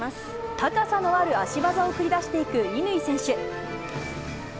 高さのある足技を繰り出していく乾選手。